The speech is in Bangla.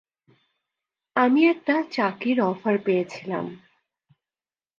আমি একটা চাকরির অফার পেয়েছিলাম।